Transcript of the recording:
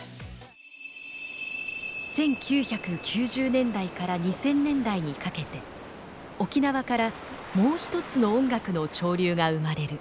１９９０年代から２０００年代にかけて沖縄からもう一つの音楽の潮流が生まれる。